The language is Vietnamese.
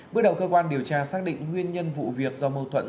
bước đầu cơ quan điều tra xác định nguyên nhân vụ việc do mâu thuẫn